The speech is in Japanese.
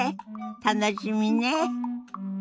楽しみね。